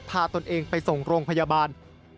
ตนเองไปส่งโรงพยาบาล